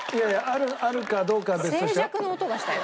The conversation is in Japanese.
あるかどうかは別としてよ。